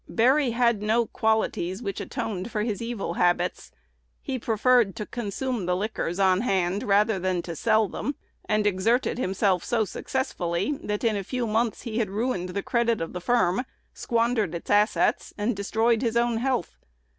Berry had no qualities which atoned for his evil habits.. He preferred to consume the liquors on hand rather than to sell them, and exerted himself so successfully, that in a few months he had ruined the credit of the firm, squandered its assets, and destroyed his own health.